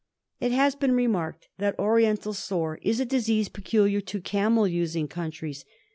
It has been remarked that Oriental Sore is a disease peculiar to camel using countries.